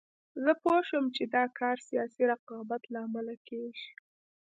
زه پوه شوم چې دا کار سیاسي رقابت له امله کېږي.